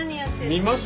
見ます？